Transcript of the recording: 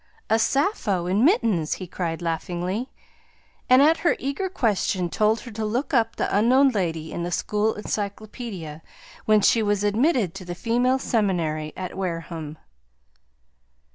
"A Sappho in mittens!" he cried laughingly, and at her eager question told her to look up the unknown lady in the school encyclopedia, when she was admitted to the Female Seminary at Wareham.